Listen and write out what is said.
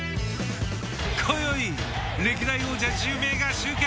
今宵歴代王者１０名が集結。